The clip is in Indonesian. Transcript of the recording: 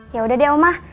yaudah deh oma